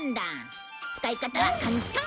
使い方は簡単！